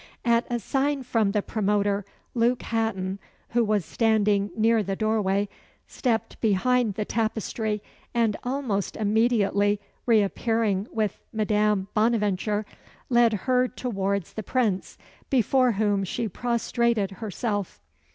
At a sign from the promoter, Luke Hatton, who was standing near the doorway, stepped behind the tapestry, and almost immediately reappearing with Madame Bonaventure, led her towards the Prince, before whom she prostrated herself.